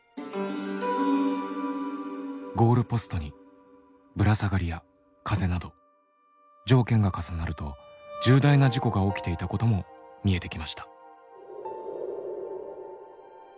「ゴールポスト」に「ぶら下がり」や「風」など条件が重なると重大な事故が起きていたことも見えてきました。